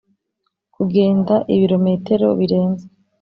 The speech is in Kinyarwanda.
kugenda ibirometero birenze.